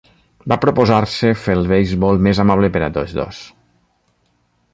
Va proposar-se fer el beisbol més amable per tots dos.